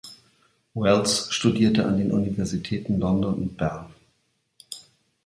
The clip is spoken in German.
Wells studierte an den Universitäten London und Bern.